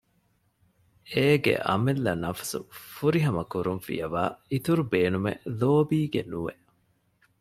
އޭގެ އަމިއްލަ ނަފުސު ފުރިހަމަކުރުން ފިޔަވައި އިތުރު ބޭނުމެއް ލޯބީގެ ނުވެ